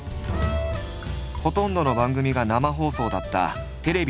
ほとんどの番組が生放送だったテレビの黎明期。